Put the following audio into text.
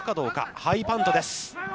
ハイパントです。